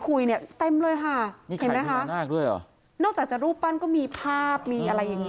คุณปุ้ยอายุ๓๒นางความร้องไห้พูดคนเดี๋ยว